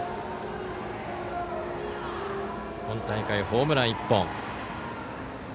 今大会、ホームラン１本。